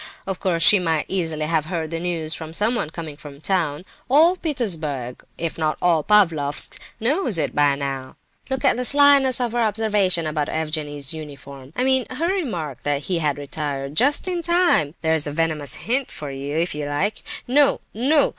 Of course she might easily have heard the news from someone coming from town. All Petersburg, if not all Pavlofsk, knows it by now. Look at the slyness of her observation about Evgenie's uniform! I mean, her remark that he had retired just in time! There's a venomous hint for you, if you like! No, no!